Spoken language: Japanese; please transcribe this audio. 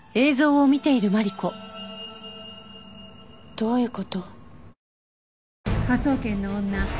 どういう事？